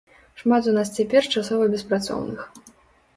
Шмат у нас цяпер часова беспрацоўных.